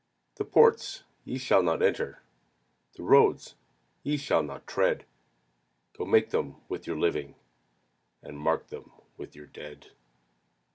The ports ye shall not enter, The roads ye shall not tread, Go make them with your living, And mark them with your dead.